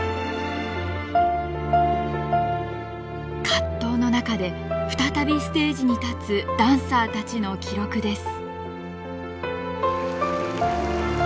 葛藤の中で再びステージに立つダンサーたちの記録です。